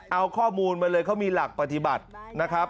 เอาข้อมูลมาเลยเขามีหลักปฏิบัตินะครับ